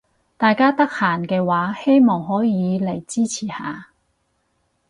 大家得閒嘅話希望可以嚟支持下